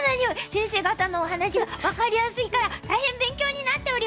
先生方のお話が分かりやすいから大変勉強になっております！